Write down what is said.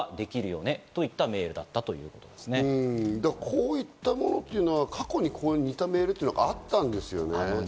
こういったものというのは過去に似たメールっていうのはあったんですよね。